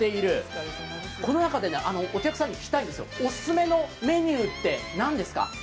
この中で、お客さんに聞きたいんですが、オススメのメニューって何ですか？